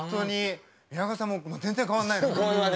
宮川さんも全然、変わらないの。